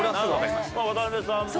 渡辺さんも。